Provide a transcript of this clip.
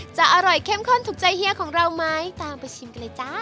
จะอร่อยเข้มข้นถูกใจเฮียของเราไหมตามไปชิมกันเลยจ้า